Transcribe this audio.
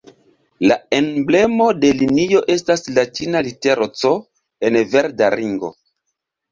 La emblemo de linio estas latina litero "C" en verda ringo.